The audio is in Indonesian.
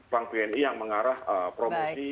bank bni yang mengarah promosi